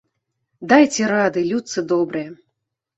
Дайце рады, людцы добрыя!